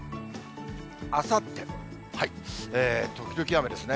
あさって、時々雨ですね。